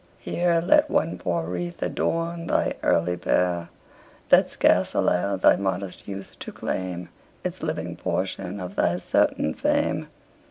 Here Let one poor wreath adorn thy early bier, That scarce allowed thy modest youth to claim Its living portion of thy certain fame!